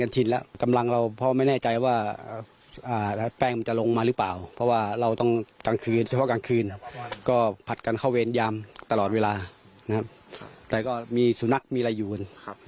จะลงจากเขามาตอนไหน